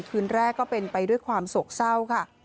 คืนแรกก็เป็นไปด้วยความโศกเศร้าค่ะ